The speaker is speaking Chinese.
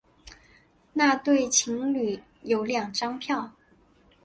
那对情侣有两张票